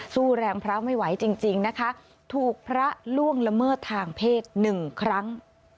สู้แรงพระไม่ไหวจริงนะคะถูกพระล่วงละเมิดทางเพศหนึ่งครั้ง